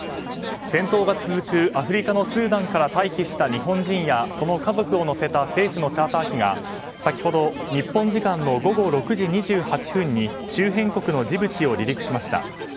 戦闘が続くアフリカのスーダンから退避した日本人やその家族を乗せた政府のチャーター機が先ほど日本時間の午後６時２８分に周辺国のジブチを離陸しました。